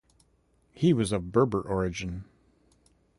He was of Berber origin.